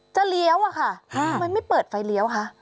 เลี้ยวอะค่ะทำไมไม่เปิดไฟเลี้ยวคะ